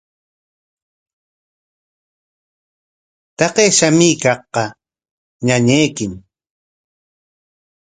Taqay shamuykaqqa ñañaykim.